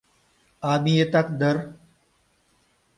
— А миетак дыр?